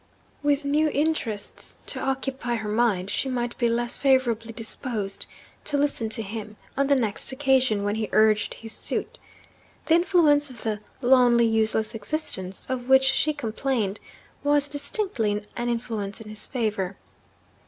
With new interests to occupy her mind, she might be less favourably disposed to listen to him, on the next occasion when he urged his suit. The influence of the 'lonely useless existence' of which she complained, was distinctly an influence in his favour.